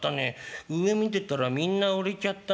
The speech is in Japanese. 上見てたらみんな売れちゃったね。